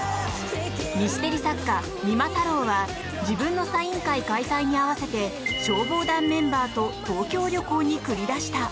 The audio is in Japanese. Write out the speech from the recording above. ミステリー作家、三馬太郎は自分のサイン会開催に合わせて消防団メンバーと東京旅行に繰り出した。